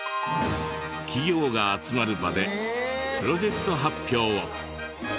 企業が集まる場でプロジェクト発表を。